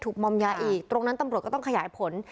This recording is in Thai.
มอมยาอีกตรงนั้นตำรวจก็ต้องขยายผล